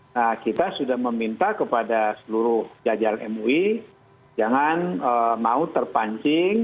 nah kita sudah meminta kepada seluruh jajar mui jangan mau terpancing